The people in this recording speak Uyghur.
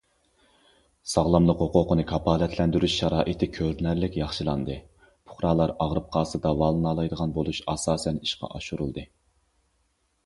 ساغلاملىق ھوقۇقىنى كاپالەتلەندۈرۈش شارائىتى كۆرۈنەرلىك ياخشىلاندى، پۇقرالار ئاغرىپ قالسا داۋالىنالايدىغان بولۇش ئاساسەن ئىشقا ئاشۇرۇلدى.